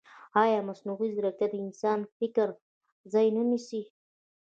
ایا مصنوعي ځیرکتیا د انسان د فکر ځای نه نیسي؟